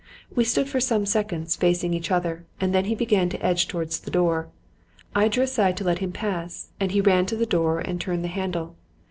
We stood for some seconds facing each other and then he began to edge towards the door. I drew aside to let him pass and he ran to the door and turned the handle.